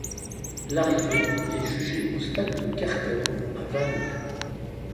L'arrivée est jugée au stade de Kercado, à Vannes.